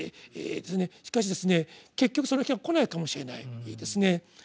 しかしですね結局その日は来ないかもしれないですね。